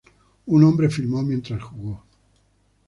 Un hombre filmó mientras jugó.